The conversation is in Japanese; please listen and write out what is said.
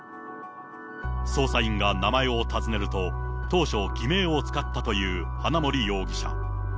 捜査員が名前を尋ねると、当初、偽名を使ったという花森容疑者。